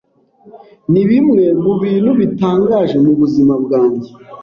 Nibimwe mubintu bitangaje mubuzima bwanjye.